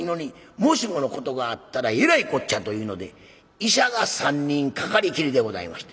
もしものことがあったらえらいこっちゃというので医者が３人かかりきりでございまして。